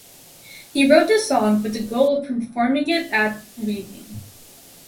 He wrote the song with the goal of performing it at Reading.